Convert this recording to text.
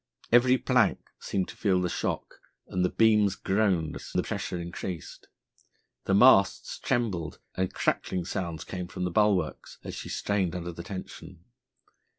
Every plank seemed to feel the shock, and the beams groaned as the pressure increased. The masts trembled, and crackling sounds came from the bulwarks as she strained under the tension.